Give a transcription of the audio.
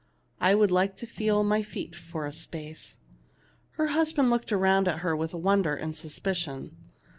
I would like to feel my feet for a space." Her husband looked around at her with won der and suspicion.